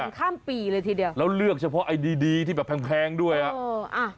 กินไปถึงข้ามปีเลยทีเดียวแล้วเลือกเฉพาะไอดีดีที่แบบแพงด้วยอ่ะ